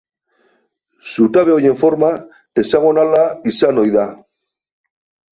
Zutabe horien forma hexagonala izan ohi da.